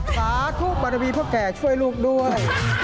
สาธุบารมีพ่อแก่ช่วยลูกด้วย